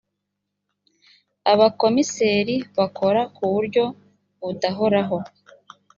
abakomiseri bakora ku buryo budahoraho.